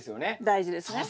大事ですね。